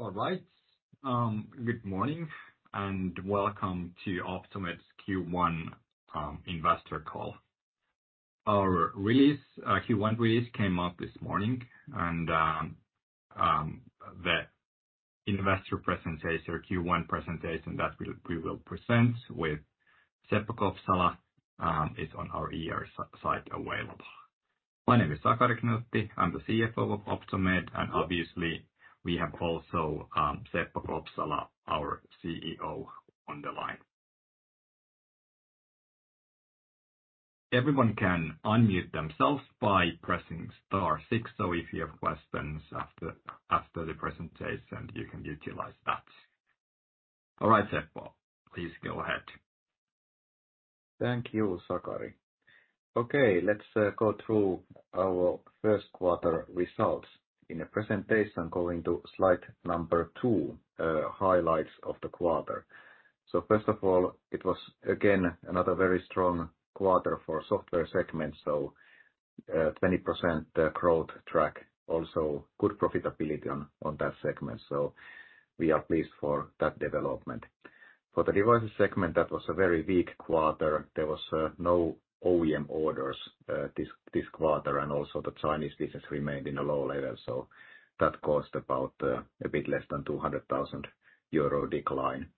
All right. Good morning and welcome to Optomed's Q1 investor call. Our Q1 release came out this morning. The investor presentation, Q1 presentation that we will present with Seppo Kopsala, is on our IR site available. My name is Sakari Knuutti. I'm the CFO of Optomed. Obviously we have also Seppo Kopsala, our CEO, on the line. Everyone can unmute themselves by pressing star six. If you have questions after the presentation, you can utilize that. All right, Seppo, please go ahead. Thank you, Sakari. Let's go through our first quarter results in a presentation going to Slide 2, highlights of the quarter. First of all, it was again another very strong quarter for software segment, 20% growth track, also good profitability on that segment. We are pleased for that development. For the devices segment, that was a very weak quarter. There was no OEM orders this quarter, and also the Chinese business remained in a low level, so that cost about a bit less than 200,000 euro decline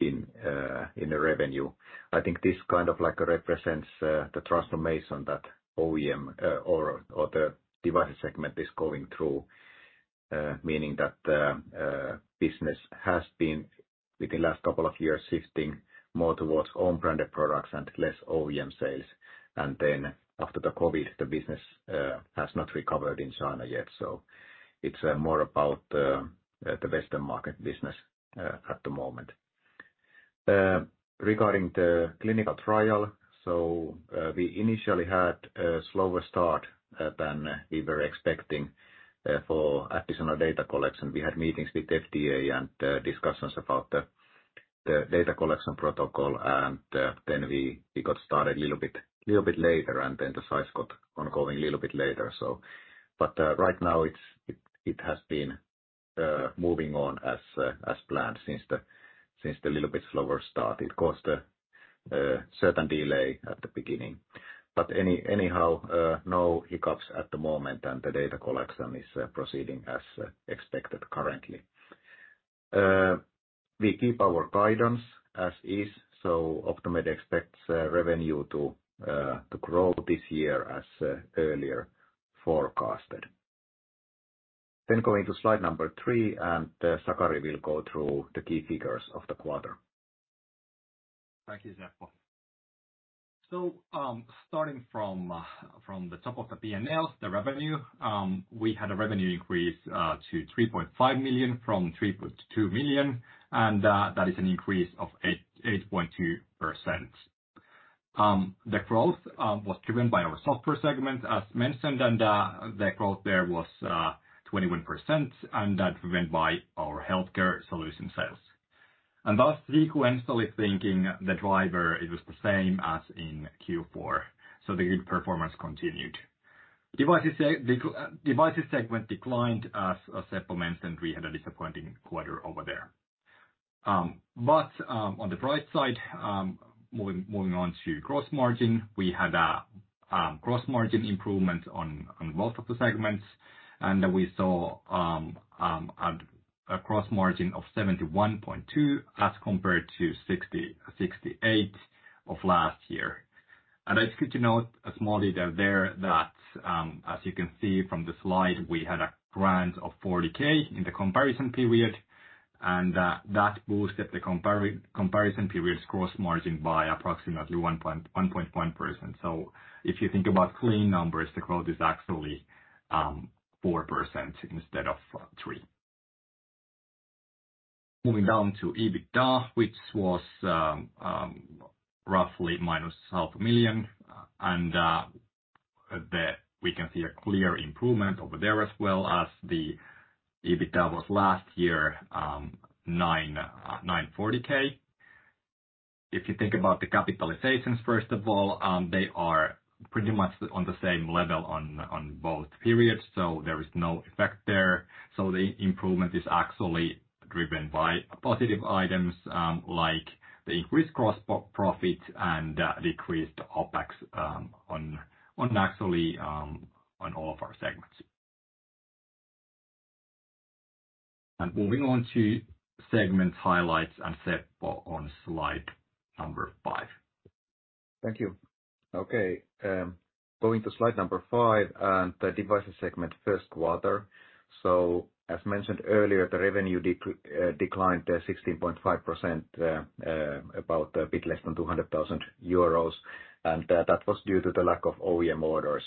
in the revenue. I think this kind of like represents the transformation that OEM or the device segment is going through, meaning that the business has been, within last couple of years, shifting more towards own branded products and less OEM sales. After the COVID, the business has not recovered in China yet, so it's more about the Western market business at the moment. Regarding the clinical trial, we initially had a slower start than we were expecting for additional data collection. We had meetings with FDA and discussions about the data collection protocol, and then we got started a little bit later, and the sites got ongoing a little bit later. Right now, it has been moving on as planned since the little bit slower start. It caused a certain delay at the beginning. Anyhow, no hiccups at the moment, and the data collection is proceeding as expected currently. We keep our guidance as is, so Optomed expects revenue to grow this year as earlier forecasted. Going to Slide 3, Sakari will go through the key figures of the quarter. Thank you, Seppo. Starting from the top of the P&L, the revenue, we had a revenue increase to 3.5 million from 3.2 million, that is an increase of 8.2%. The growth was driven by our software segment, as mentioned, the growth there was 21%, and that went by our Healthcare Solution sales. Thus sequentially thinking the driver, it was the same as in Q4. The good performance continued. Devices segment declined as Seppo mentioned, we had a disappointing quarter over there. On the bright side, moving on to gross margin, we had a gross margin improvement on both of the segments. We saw a gross margin of 71.2% as compared to 68% of last year. It's good to note a small detail there that as you can see from the slide, we had a grant of 40K in the comparison period, and that boosted the comparison period's gross margin by approximately 1.1%. If you think about clean numbers, the growth is actually 4% instead of three. Moving down to EBITDA, which was roughly minus half a million EUR, we can see a clear improvement over there as well as the EBITDA was last year 940K. If you think about the capitalizations, first of all, they are pretty much on the same level on both periods, so there is no effect there. The improvement is actually driven by positive items, like the increased gross profit and decreased OpEx, on actually, on all of our segments. Moving on to segment highlights and Seppo on Slide 5. Thank you. Okay, going to Slide 5 and the devices segment first quarter. As mentioned earlier, the revenue declined 16.5%, about a bit less than 200,000 euros. That was due to the lack of OEM orders.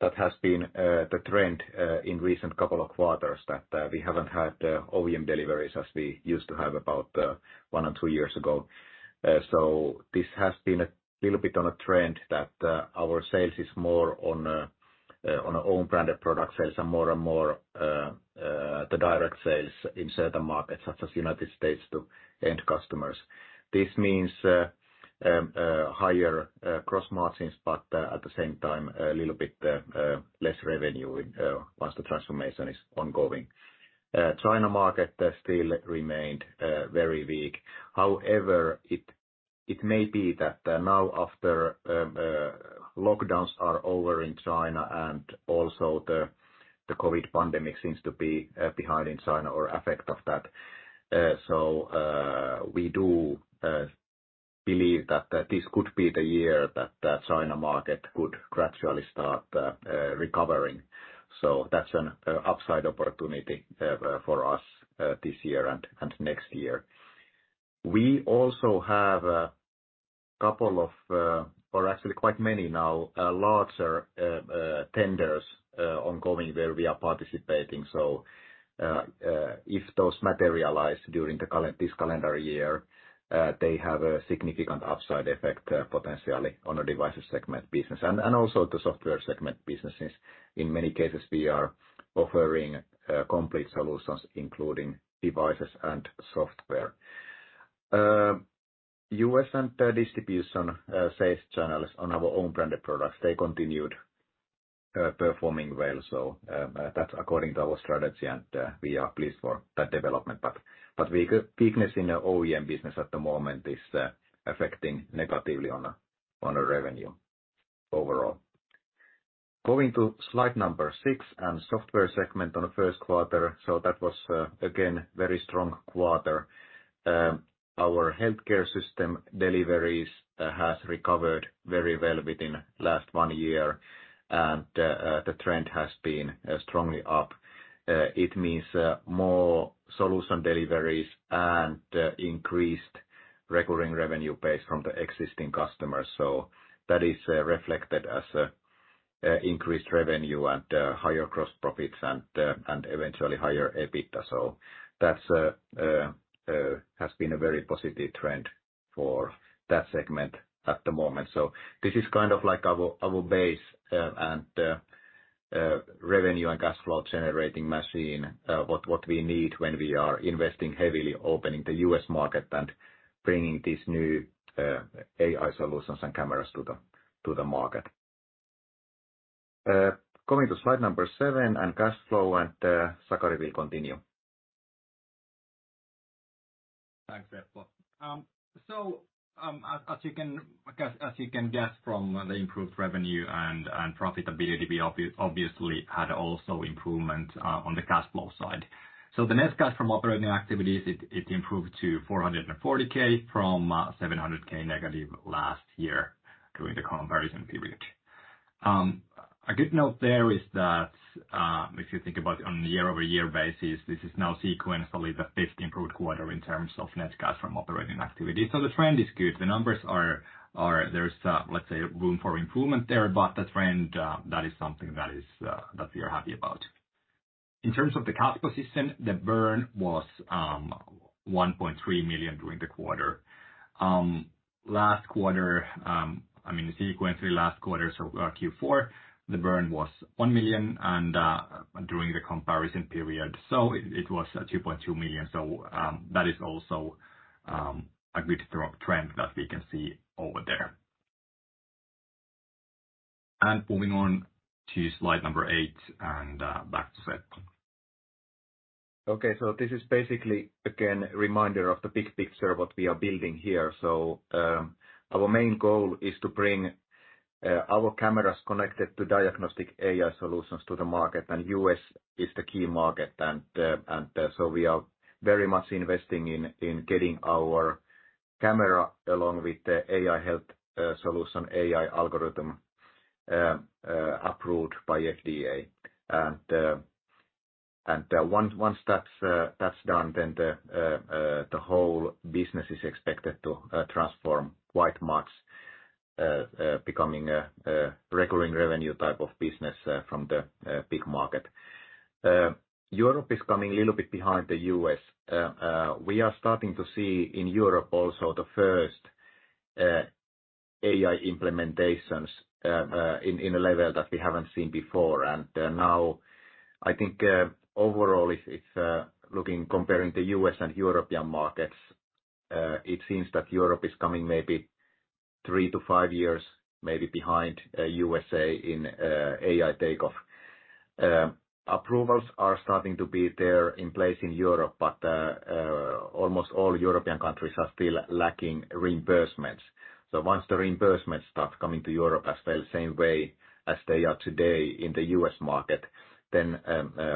That has been the trend in recent couple of quarters that we haven't had OEM deliveries as we used to have about one or two years ago. This has been a little bit on a trend that our sales is more on our own branded product sales and more and more the direct sales in certain markets, such as United States to end customers. This means, higher gross margins, but at the same time, a little bit less revenue, once the transformation is ongoing. China market still remained very weak. However, it may be that now after lockdowns are over in China and also the COVID pandemic seems to be behind in China or effect of that. We do believe that this could be the year that the China market could gradually start recovering. That's an upside opportunity for us this year and next year. We also have a couple of, or actually quite many now, larger tenders ongoing where we are participating. If those materialize during this calendar year, they have a significant upside effect potentially on the devices segment business and also the software segment businesses. In many cases, we are offering complete solutions including devices and software. U.S. and distribution sales channels on our own branded products, they continued performing well. That's according to our strategy, and we are pleased for that development. Weakness in our OEM business at the moment is affecting negatively on our revenue overall. Going to Slide 6 and software segment on the first quarter. That was again, very strong quarter. Our healthcare system deliveries has recovered very well within last one year, and the trend has been strongly up. It means more solution deliveries and increased recurring revenue base from the existing customers. That is reflected as increased revenue and higher gross profits and eventually higher EBITDA. That's has been a very positive trend for that segment at the moment. This is kind of like our base and revenue and cash flow-generating machine, what we need when we are investing heavily opening the U.S. market and bringing these new AI solutions and cameras to the market. Going to Slide 7 and cash flow, and Sakari will continue. Thanks, Seppo. As you can, I guess, as you can guess from the improved revenue and profitability, we obviously had also improvement on the cash flow side. The net cash from operating activities, it improved to 440k from 700k negative last year during the comparison period. A good note there is that, if you think about it on a year-over-year basis, this is now sequentially the fifth improved quarter in terms of net cash from operating activity. The trend is good. The numbers are, there is, let's say, room for improvement there, but the trend that is something that is that we are happy about. In terms of the cash position, the burn was 1.3 million during the quarter. last quarter, I mean, sequentially last quarter, Q4, the burn was 1 million and during the comparison period. It was 2.2 million. That is also a good strong trend that we can see over there. Moving on to Slide 8 and back to Seppo. Okay. This is basically, again, a reminder of the big picture what we are building here. Our main goal is to bring our cameras connected to diagnostic AI solutions to the market, and US is the key market. We are very much investing in getting our camera along with the AEYE Health solution, AI algorithm approved by FDA. Once that's done, the whole business is expected to transform quite much, becoming a recurring revenue type of business from the big market. Europe is coming a little bit behind the US. We are starting to see in Europe also the first AI implementations in a level that we haven't seen before. Now I think, overall it's looking comparing the U.S. and European markets, it seems that Europe is coming maybe three to five years, maybe behind USA in AI takeoff. Approvals are starting to be there in place in Europe, but almost all European countries are still lacking reimbursements. Once the reimbursements start coming to Europe as well, same way as they are today in the U.S. market, then,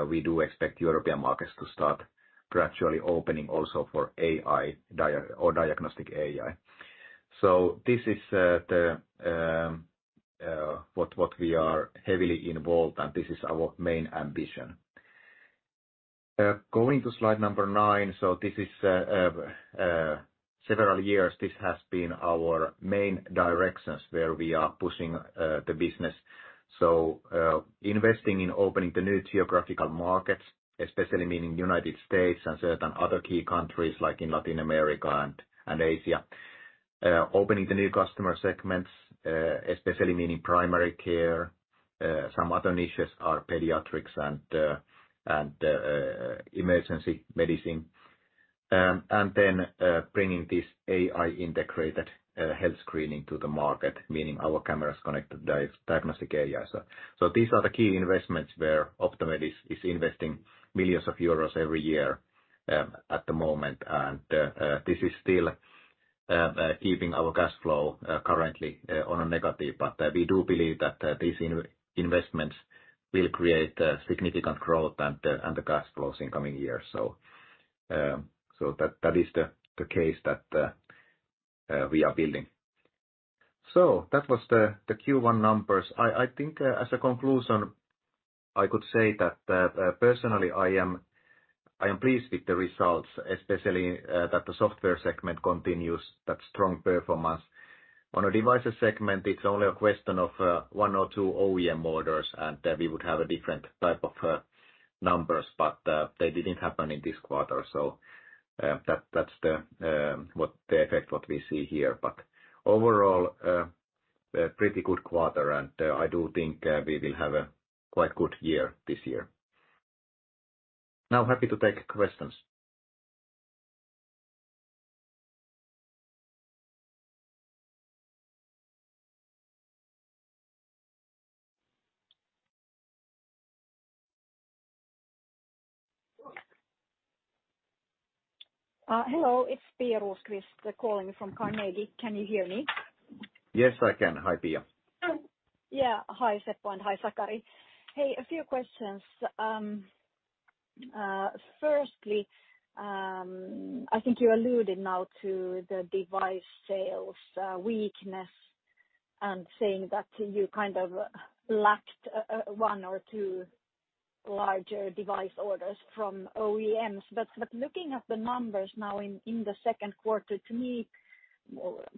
we do expect European markets to start gradually opening also for AI or diagnostic AI. This is the what we are heavily involved and this is our main ambition. Going to Slide 9. This is several years this has been our main directions where we are pushing the business. Investing in opening the new geographical markets, especially meaning United States and certain other key countries like in Latin America and Asia. Opening the new customer segments, especially meaning Primary Care. Some other niches are pediatrics and emergency medicine. Bringing this AI integrated health screening to the market, meaning our cameras connected diagnostic AI. These are the key investments where Optomed is investing millions of EUR every year at the moment. This is still keeping our cash flow currently on a negative, but we do believe that these investments will create significant growth and the cash flows in coming years. So that is the case that we are building. That was the Q1 numbers. I think, as a conclusion, I could say that personally, I am pleased with the results, especially that the software segment continues that strong performance. On a devices segment, it's only a question of one or two OEM orders, and then we would have a different type of numbers, but they didn't happen in this quarter. That's the effect what we see here. Overall, a pretty good quarter, and I do think we will have a quite good year this year. Happy to take questions. Hello, it's Pia Rosqvist-Heinsalmi calling from Carnegie. Can you hear me? Yes, I can. Hi, Pia. Yeah. Hi, Seppo and hi, Sakari. Hey, a few questions. firstly, I think you alluded now to the device sales weakness and saying that you kind of lacked one or two larger device orders from OEMs. Looking at the numbers now in the second quarter, to me,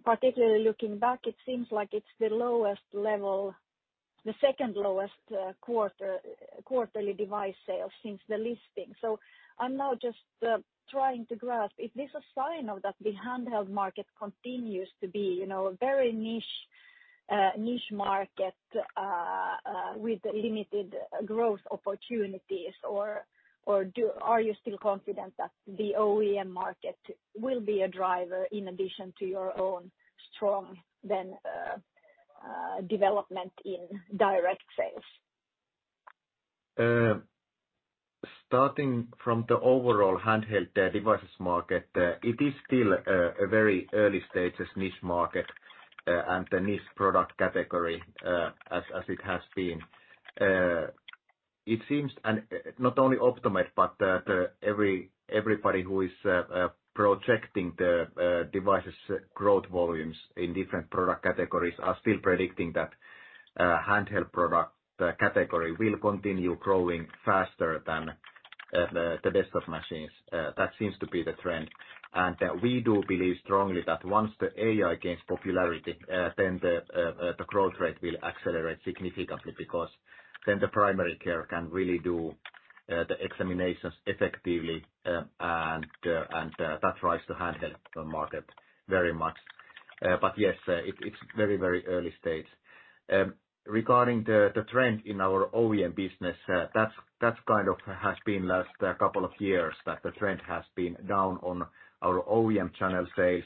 particularly looking back, it seems like it's the lowest level, the second lowest quarterly device sale since the listing. I'm now just trying to grasp if this a sign of that the handheld market continues to be, you know, a very niche market with limited growth opportunities or are you still confident that the OEM market will be a driver in addition to your own strong then development in direct sales? Starting from the overall handheld devices market, it is still a very early stages niche market, and the niche product category, as it has been. It seems and, not only Optomed, but everybody who is projecting the devices growth volumes in different product categories are still predicting that handheld product category will continue growing faster than the desktop machines. That seems to be the trend. We do believe strongly that once the AI gains popularity, then the growth rate will accelerate significantly because then the Primary Care can really do the examinations effectively, and that drives the handheld market very much. Yes, it's very, very early stage. Regarding the trend in our OEM business, that's kind of has been last couple of years that the trend has been down on our OEM channel sales,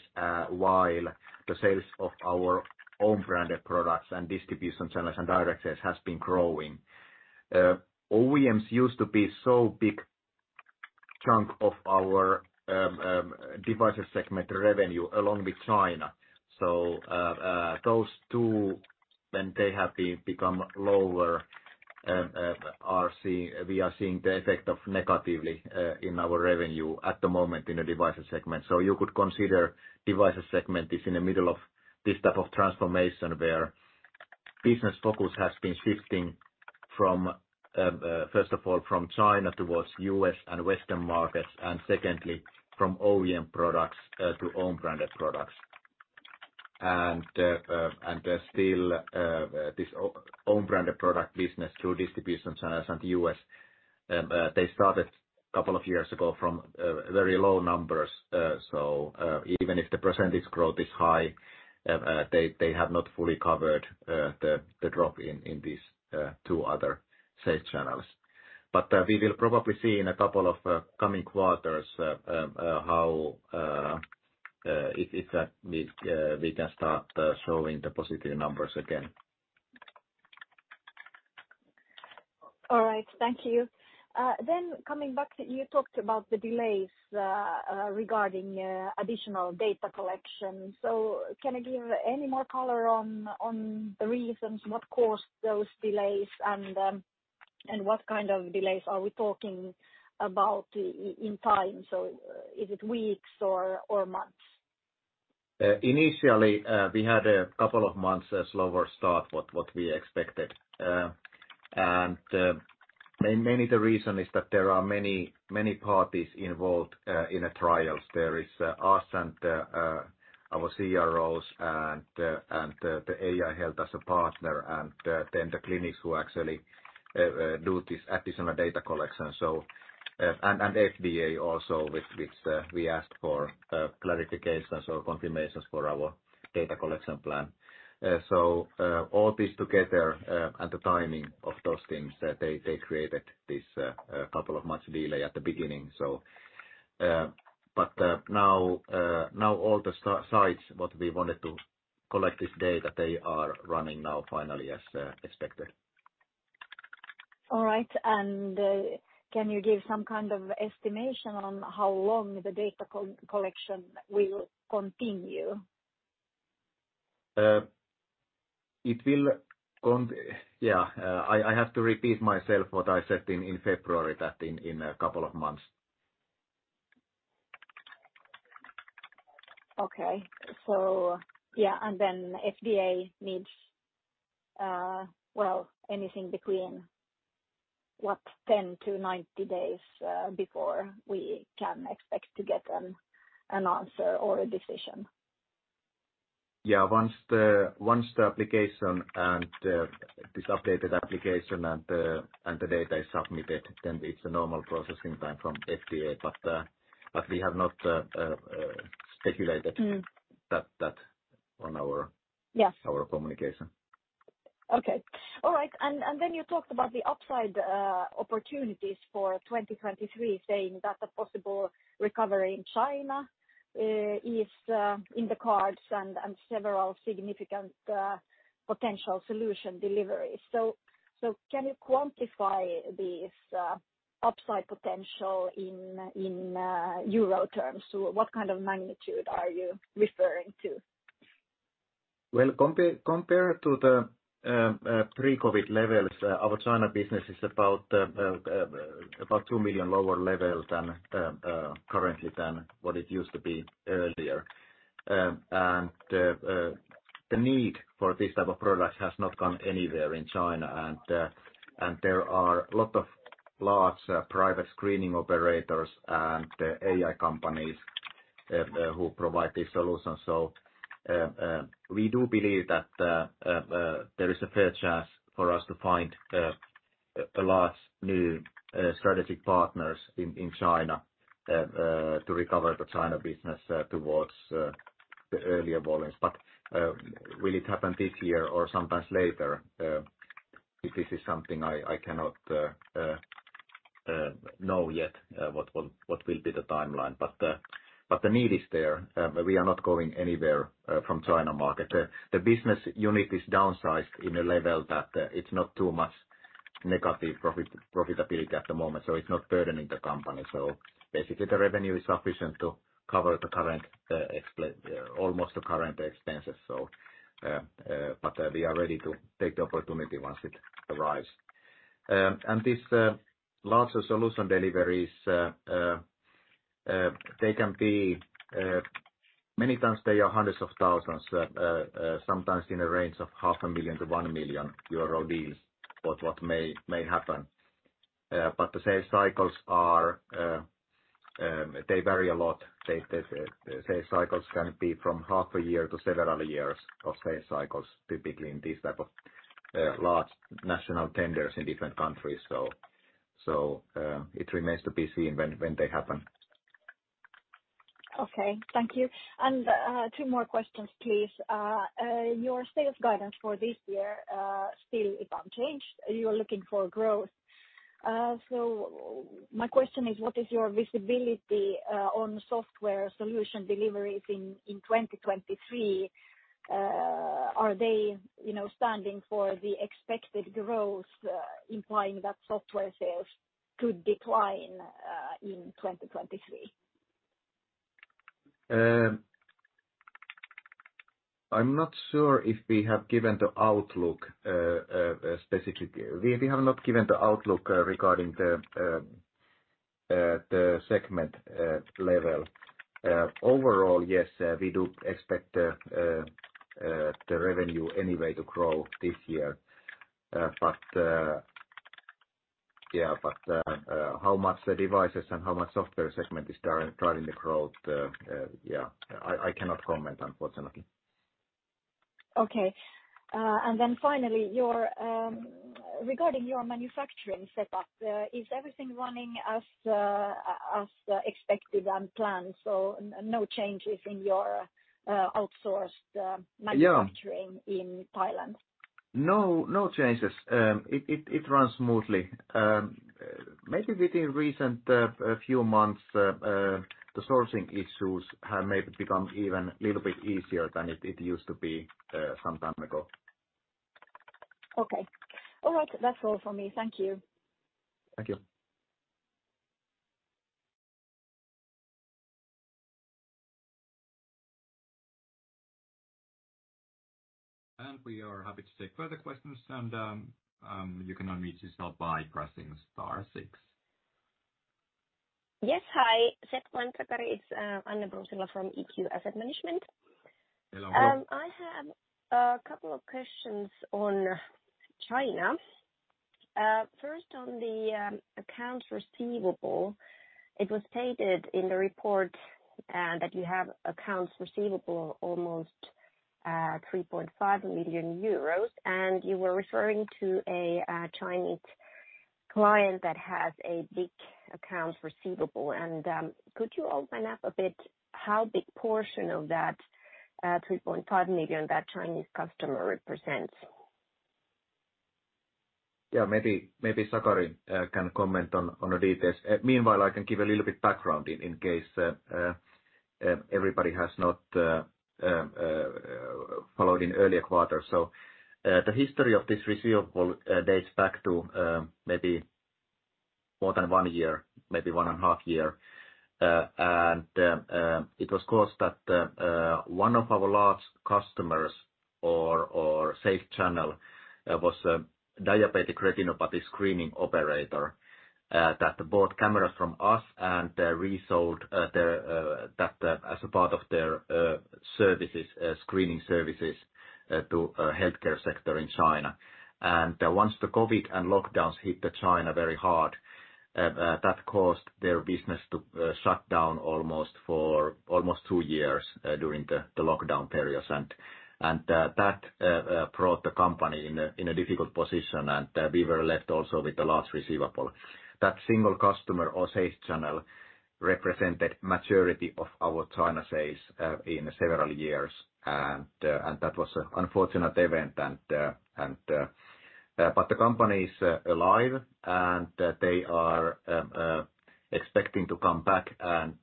while the sales of our own branded products and distribution channels and direct sales has been growing. OEMs used to be so big chunk of our devices segment revenue along with China. Those 2, when they have been become lower, we are seeing the effect of negatively in our revenue at the moment in the devices segment. You could consider devices segment is in the middle of this type of transformation where business focus has been shifting from, first of all, from China towards US and Western markets, and secondly, from OEM products to own branded products. Still, this own branded product business through distribution channels and US, they started a couple of years ago from very low numbers. Even if the percentage growth is high, they have not fully covered the drop in these two other sales channels. We will probably see in a couple of coming quarters, how if we can start showing the positive numbers again. All right. Thank you. Coming back, you talked about the delays regarding additional data collection. Can you give any more color on the reasons what caused those delays and what kind of delays are we talking about in time? Is it weeks or months? Initially, we had a couple of months slower start what we expected. Mainly the reason is that there are many, many parties involved in the trials. There is us and our CROs and the AEYE Health as a partner, and then the clinics who actually do this additional data collection. FDA also, which we asked for clarifications or confirmations for our data collection plan. All this together and the timing of those things, they created this couple of months delay at the beginning. Now, now all the sites what we wanted to collect this data, they are running now finally as expected. All right. Can you give some kind of estimation on how long the data collection will continue? It will Yeah, I have to repeat myself what I said in February that in a couple of months. Okay. Yeah, FDA needs, well, anything between, what? 10-90 days before we can expect to get an answer or a decision. Yeah. Once the application and this updated application and the data is submitted, then it's a normal processing time from FDA. We have not speculated that on our communication. Yes. Okay. All right. Then you talked about the upside opportunities for 2023, saying that a possible recovery in China is in the cards and several significant potential solution deliveries. Can you quantify this upside potential in euro terms? What kind of magnitude are you referring to? Well, compared to the pre-COVID levels, our China business is about 2 million lower level than currently than what it used to be earlier. The need for this type of product has not gone anywhere in China. There are a lot of large private screening operators and AI companies who provide these solutions. We do believe that there is a fair chance for us to find a large new strategic partners in China to recover the China business towards the earlier volumes. Will it happen this year or sometimes later? This is something I cannot know yet what will be the timeline. The need is there. We are not going anywhere from China market. The business unit is downsized in a level that it's not too much negative profitability at the moment, so it's not burdening the company. Basically, the revenue is sufficient to cover the current almost the current expenses. We are ready to take the opportunity once it arrives. This larger solution deliveries, they can be many times they are hundreds of thousands, sometimes in a range of half a million to 1 million euro deals, what may happen. The sales cycles are they vary a lot. The sales cycles can be from half a year to several years of sales cycles, typically in these type of large national tenders in different countries. It remains to be seen when they happen. Okay. Thank you. Two more questions, please. Your sales guidance for this year, still unchanged. You're looking for growth. My question is, what is your visibility on software solution deliveries in 2023? Are they, you know, standing for the expected growth, implying that software sales could decline in 2023? I'm not sure if we have given the outlook specifically. We have not given the outlook regarding the segment level. Overall, yes, we do expect the revenue anyway to grow this year. Yeah. How much the devices and how much software segment is driving the growth, yeah, I cannot comment, unfortunately. Okay. Then finally, your regarding your manufacturing setup, is everything running as expected and planned? No changes in your outsourced. Yeah. Manufacturing in Thailand? No, no changes. It runs smoothly. Maybe within recent few months, the sourcing issues have maybe become even a little bit easier than it used to be some time ago. Okay. All right. That's all for me. Thank you. Thank you. We are happy to take further questions and you can unmute yourself by pressing star six. Yes. Hi Seppo and Sakari, Anne Brusila from eQ Asset Management. Hello. I have a couple of questions on China. First on the accounts receivable. It was stated in the report that you have accounts receivable almost 3.5 million euros, and you were referring to a Chinese client that has a big account receivable. Could you open up a bit how big portion of that 3.5 million that Chinese customer represents? Maybe Sakari can comment on the details. Meanwhile, I can give a little bit background in case everybody has not followed in earlier quarters. The history of this receivable dates back to maybe more than one year, maybe one and a half year. It was caused at one of our large customers or safe channel was a Diabetic Retinopathy screening operator that bought cameras from us and resold their that as a part of their services, screening services to healthcare sector in China. Once the COVID and lockdowns hit the China very hard, that caused their business to shut down almost for almost two years during the lockdown periods. That brought the company in a difficult position, we were left also with a large receivable. That single customer or sales channel represented majority of our China sales in several years. That was an unfortunate event, but the company is alive, and they are expecting to come back, and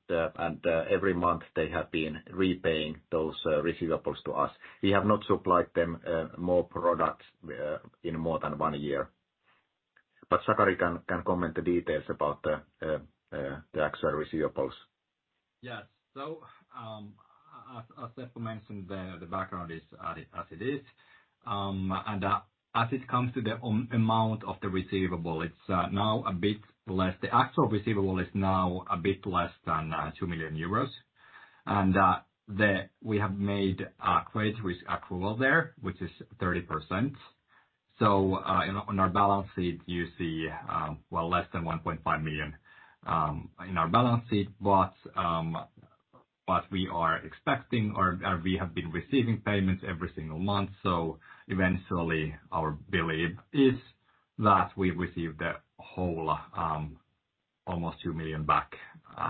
every month, they have been repaying those receivables to us. We have not supplied them more products in more than one year. Sakari can comment the details about the actual receivables. Yes. As Seppo mentioned, the background is as it is. As it comes to the amount of the receivable, it's now a bit less. The actual receivable is now a bit less than 2 million euros. We have made a credit risk accrual there, which is 30%. On our balance sheet, you see, well, less than 1.5 million in our balance sheet. We are expecting or we have been receiving payments every single month. Eventually, our belief is that we receive the whole almost 2 million back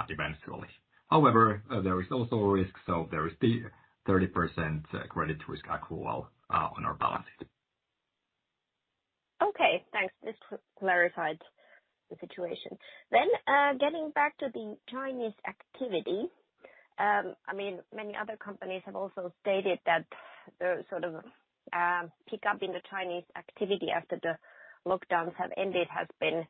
eventually. However, there is also a risk, so there is the 30% credit risk accrual on our balance sheet. Okay, thanks. This clarified the situation. Getting back to the Chinese activity, I mean, many other companies have also stated that the sort of pickup in the Chinese activity after the lockdowns have ended has been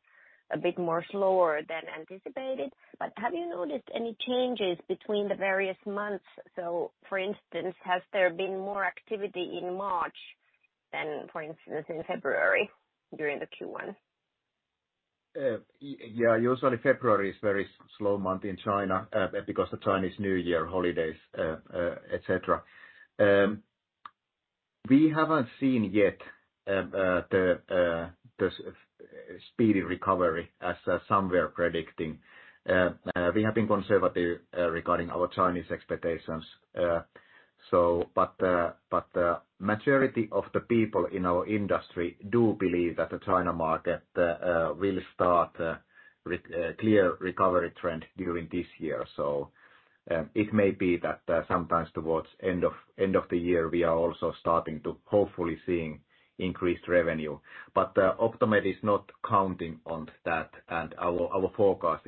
a bit more slower than anticipated. Have you noticed any changes between the various months? For instance, has there been more activity in March than, for instance, in February during the Q1? Yeah. Usually, February is very slow month in China, because the Chinese New Year holidays, et cetera. We haven't seen yet the speedy recovery as some were predicting. We have been conservative regarding our Chinese expectations. Majority of the people in our industry do believe that the China market will start clear recovery trend during this year. It may be that sometimes towards end of the year, we are also starting to hopefully seeing increased revenue. Optomed is not counting on that, and our forecast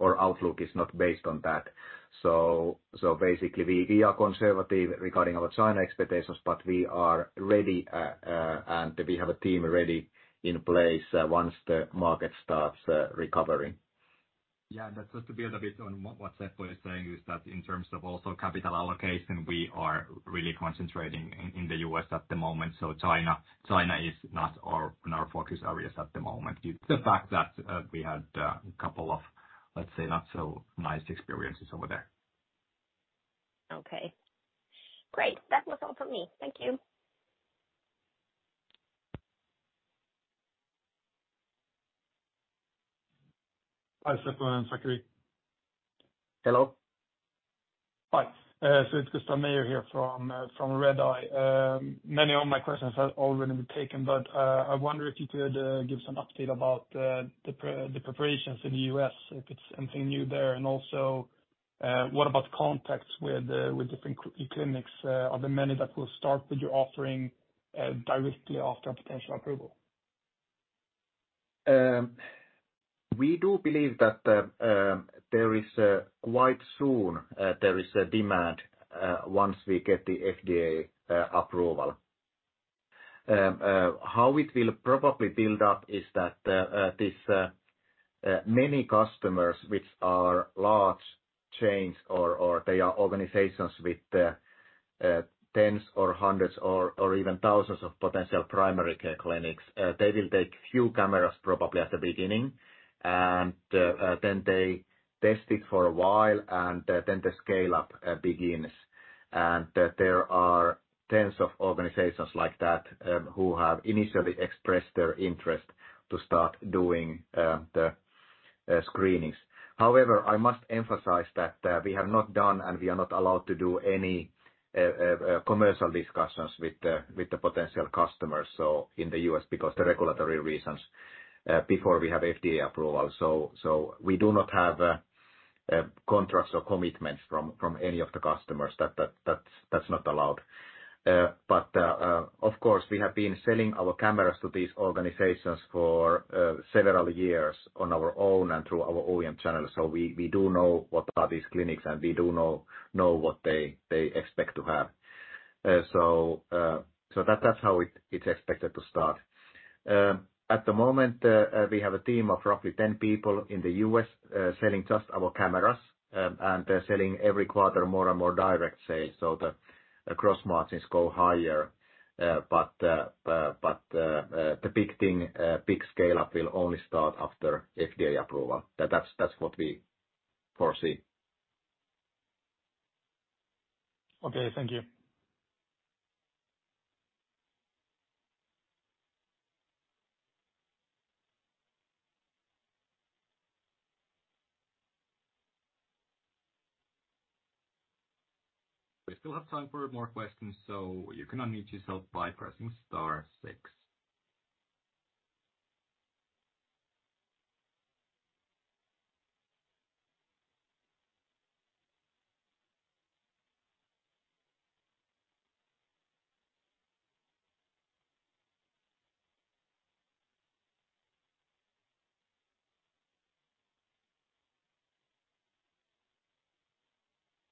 or outlook is not based on that. Basically, we are conservative regarding our China expectations, but we are ready, and we have a team ready in place once the market starts recovering. Yeah. Just to build a bit on what Seppo is saying is that in terms of also capital allocation, we are really concentrating in the U.S. at the moment. China is not our, in our focus areas at the moment due to the fact that we had a couple of, let's say, not so nice experiences over there. Okay, great. That was all for me. Thank you. Hi, Seppo and Sakari. Hello. Hi. It's Gustav Kindahl here from Redeye. Many of my questions have already been taken. I wonder if you could give some update about the preparations in the U.S., if it's anything new there. What about contacts with different clinics? Are there many that will start with your offering directly after a potential approval? We do believe that there is quite soon there is a demand once we get the FDA approval. How it will probably build up is that this many customers which are large chains or they are organizations with tens or hundreds or even thousands of potential Primary Care clinics, they will take few cameras probably at the beginning, and then they test it for a while, and then the scale-up begins. There are tens of organizations like that who have initially expressed their interest to start doing the screenings. I must emphasize that we have not done, and we are not allowed to do any commercial discussions with the potential customers, in the U.S. because the regulatory reasons before we have FDA approval. We do not have contracts or commitments from any of the customers. That's not allowed. Of course, we have been selling our cameras to these organizations for several years on our own and through our OEM channels. We do know what are these clinics, and we do know what they expect to have. That's how it's expected to start. At the moment, we have a team of roughly 10 people in the U.S., selling just our cameras. They're selling every quarter more and more direct sales. The gross margins go higher. The big scale-up will only start after FDA approval. That's what we foresee. Okay, thank you. We still have time for more questions, so you can unmute yourself by pressing star six.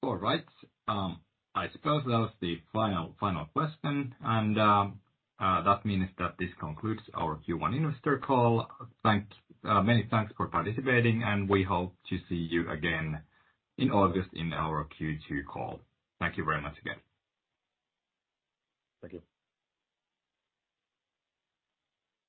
All right. I suppose that was the final question. That means that this concludes our Q1 investor call. Many thanks for participating, and we hope to see you again in August in our Q2 call. Thank you very much again. Thank you.